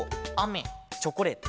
チョコレート。